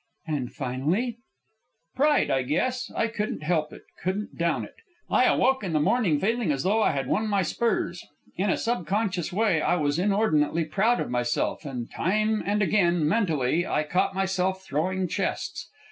"And finally?" "Pride, I guess. I couldn't help it, couldn't down it. I awoke in the morning feeling as though I had won my spurs. In a subconscious way I was inordinately proud of myself, and time and again, mentally, I caught myself throwing chests.